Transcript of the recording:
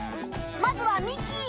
まずはミキ！